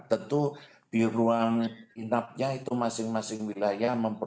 tentu di ruang inapnya itu masing masing wilayah